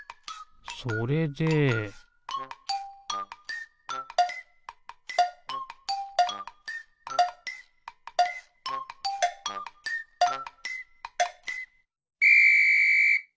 それでピッ！